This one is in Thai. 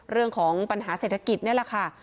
เรื่องของปัญหาเศรษฐกิจนี่แหละค่ะ